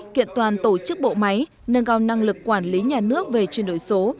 các bộ máy nâng cao năng lực quản lý nhà nước về chuyển đổi số